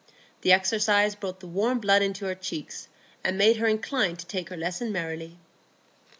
The exercise brought the warm blood into her cheeks, and made her inclined to take her lesson merrily.